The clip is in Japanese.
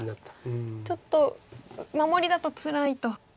ちょっと守りだとつらいと。